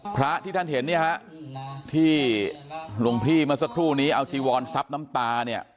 พระที่ท่านเห็นเนี่ยฮะที่หลวงพี่เมื่อสักครู่นี้เอาจีวอนซับน้ำตาเนี่ย